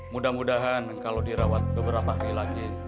mudah mudahan kalau dirawat beberapa hari lagi